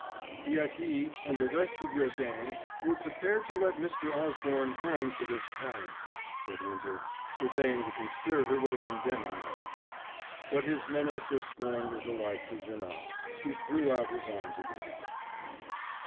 "Yet he, and the rest of your gang, were prepared to let Mr. Osborne hang for this crime," said Winter, surveying the conspirator with a condemning eye. But his menace or scorn was alike to Janoc, who threw out his arms again.